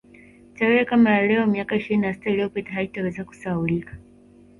Tarehe kama ya leo miaka ishirini na sita iliyopita haitoweza kusahaulika